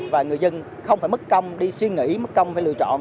và người dân không phải mất công đi suy nghĩ mất công phải lựa chọn